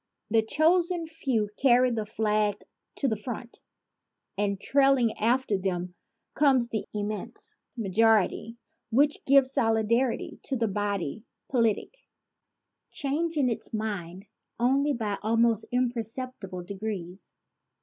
The chosen few carry the flag to the front; and trailing after them comes the immense majority which gives solidity to the body politic, changing its mind only by almost imperceptible degrees.